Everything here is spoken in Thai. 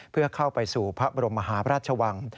เพื่อเข้าไปสู่พระบรมมหาพระราชวัง